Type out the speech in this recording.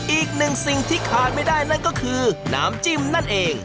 อีกหนึ่งสิ่งที่ขาดไม่ได้นั่นก็คือน้ำจิ้มนั่นเอง